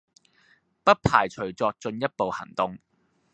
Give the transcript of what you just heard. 不排除作進一步行動